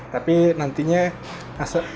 tapi nantinya akan menjadi kopi gel